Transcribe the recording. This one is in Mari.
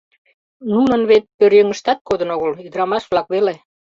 Нунын вет пӧръеҥыштат кодын огыл, ӱдырамаш-влак веле.